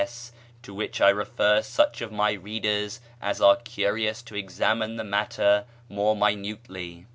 S., to which I refer such of my readers as are curious to examine the matter more minutely.